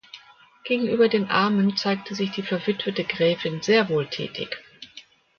Gegenüber den Armen zeigte sich die verwitwete Gräfin sehr wohltätig.